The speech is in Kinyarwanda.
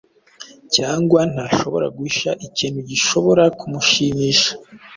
cyangwa ntashobora guhisha ikintu gishobora kumushimisha